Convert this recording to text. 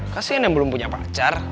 kasian yang belum punya pacar